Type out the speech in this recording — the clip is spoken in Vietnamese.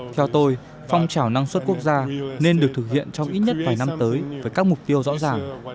theo tôi phong trào năng suất quốc gia nên được thực hiện trong ít nhất vài năm tới với các mục tiêu rõ ràng